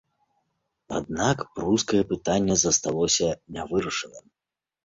Аднак прускае пытанне засталося нявырашаным.